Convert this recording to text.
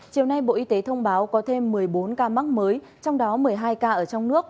chiều nay bộ y tế thông báo có thêm một mươi bốn ca mắc mới trong đó một mươi hai ca ở trong nước